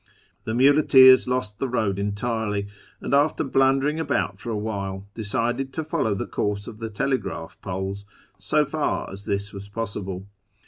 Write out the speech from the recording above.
The muleteers lost the road entirely, and, after blundering about for a while, decided to follow the course of the telegraph poles, so far as this was possible.